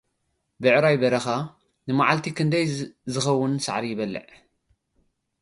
ብዕራይ በረኻ ንመዓልቲ ክንደይ ዝኸውን ሳዕሪ ይበልዕ?